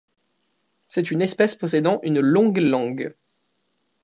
C'est une espèce possédant une longue langue.